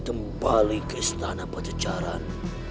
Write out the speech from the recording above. kembali ke istana pajajaran